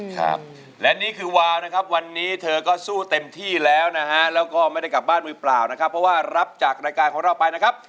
ครับและนี่คือวาวนะครับวันนี้เธอก็สู้เต็มที่แล้วนะฮะแล้วก็ไม่ได้กลับบ้านมือเปล่านะครับเพราะว่ารับจากรายการของเราไปนะครับ